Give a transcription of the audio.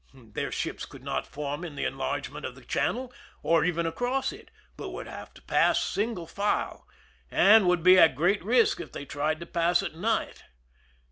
Their ships could not form in the enlarge ment of the channel, or even across it, but would have to pass single file, and would be at great risk if they tried to pass at night.